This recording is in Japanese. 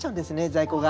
在庫が。